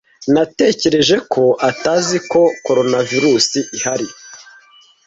Natekereje ko ataziko Coronavirusi ihari.